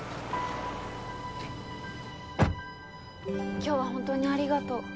今日は本当にありがとう。